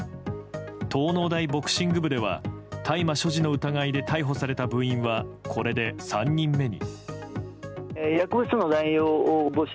東農大ボクシング部では大麻所持の疑いで逮捕された部員はこれで３人目に。